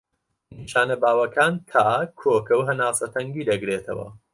نیشانە باوەکان تا، کۆکە و هەناسە تەنگی دەگرێتەوە.